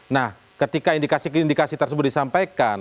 nah ketika indikasi indikasi tersebut disampaikan